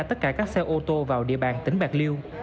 tất cả các xe ô tô vào địa bàn tỉnh bạc liêu